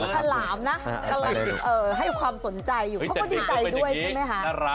ฉลามนะกำลังให้ความสนใจอยู่เขาก็ดีใจด้วยใช่ไหมคะ